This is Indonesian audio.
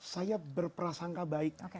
saya berprasangka baik